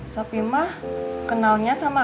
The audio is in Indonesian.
sopi mah kenalnya sama alkemet ya